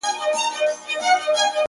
د پردیو ملایانو له آذانه یمه ستړی؛